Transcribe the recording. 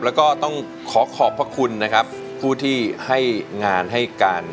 แล้วก็ต้องขอขอบพระคุณนะครับผู้ที่ให้งานให้การ